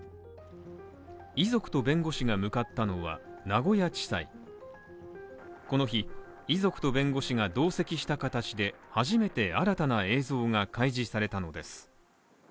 遺族と弁護士が向かったのは、名古屋地裁この日、遺族と弁護士が同席した形で初めて新たな映像が開示されたのです。